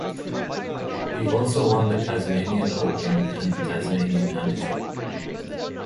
He also won the Tasmanian Open and the Tasmanian Amateur.